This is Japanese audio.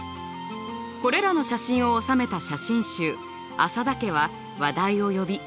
これらの写真を収めた写真集「浅田家」は話題を呼び映画化。